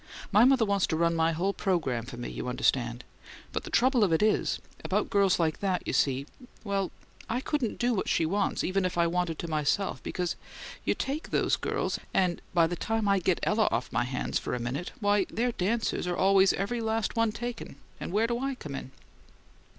Mother wants to run my whole programme for me, you understand, but the trouble of it is about girls like that, you see well, I couldn't do what she wants, even if I wanted to myself, because you take those girls, and by the time I get Ella off my hands for a minute, why, their dances are always every last one taken, and where do I come in?"